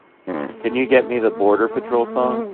Can you get me The Border Patrol song?